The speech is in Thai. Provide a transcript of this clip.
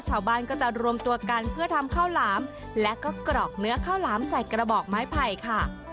ชาวบ้านก็จะรวมตัวกันเพื่อทำข้าวหลามและก็กรอกเนื้อข้าวหลามใส่กระบอกไม้ไผ่ค่ะ